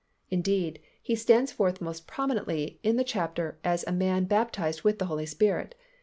Indeed, he stands forth most prominently in the chapter as a man baptized with the Holy Spirit.